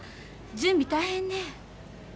準備大変ね。